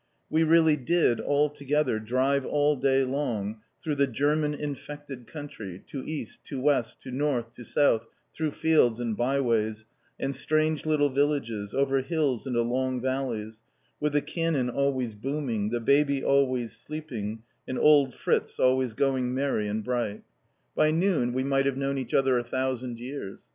We really did, all together, drive all day long through the German infected country, to east, to west, to north, to south, through fields and byways, and strange little villages, over hills and along valleys, with the cannon always booming, the baby always sleeping and old Fritz always going merry and bright. By noon, we might have known each other a thousand years.